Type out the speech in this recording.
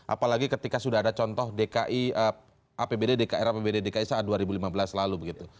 apalagi ketika sudah ada contoh dki apbd dki apbd dki saat dua ribu lima belas lalu begitu